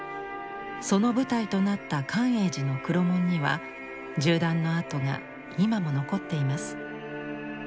その舞台となった寛永寺の黒門には銃弾の跡が今も残っています。